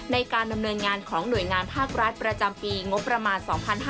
ในการดำเนินงานของหน่วยงานภาครัฐประจำปีงบประมาณ๒๕๕๙